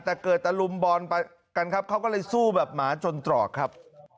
แต่เกิดตะลุมบอลไปกันครับเขาก็เลยสู้แบบหมาจนตรอกครับ